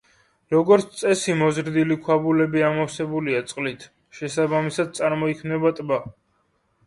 როგორც წესი მოზრდილი ქვაბულები ამოვსებულია წყლით, შესაბამისად წარმოიქმნება ტბა.